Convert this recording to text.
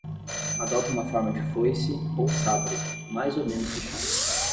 Adota uma forma de foice ou sabre, mais ou menos fechada.